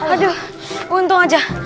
aduh untung aja